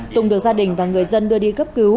tùng được gia đình và người dân đưa đi cấp cứu